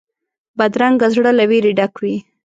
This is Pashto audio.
بدرنګه زړه له وېرې ډک وي